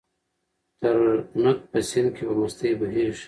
ترنګ په سیند کې په مستۍ بهېږي.